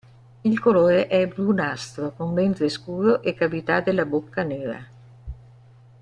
Il colore è brunastro con ventre scuro e cavità della bocca nera.